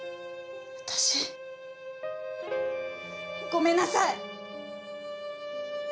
ごめんなさい！